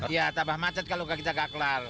ya tambah macet kalau kita gak kelar